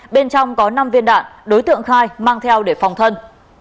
bên trong có năm viên đạn đối tượng khai mang theo để phòng thân